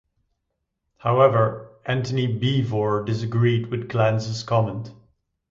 However, Antony Beevor disagreed with Glantz's comment.